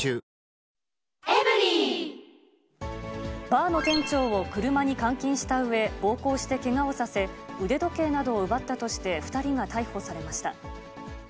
バーの店長を車に監禁したうえ、暴行してけがをさせ、腕時計などを奪ったとして２人が逮捕されました。